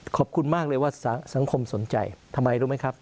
ขอบคุณมากเลยว่าสังคมสนใจทำไมรู้ไหมครับ